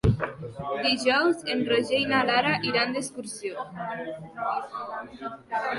Dijous en Roger i na Lara iran d'excursió.